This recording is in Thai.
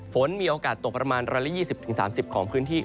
ฝนมีโอกาสตกประมาณ๑๒๐๓๐ของพื้นที่